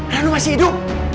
ranum masih hidup